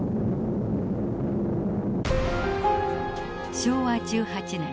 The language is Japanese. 昭和１８年。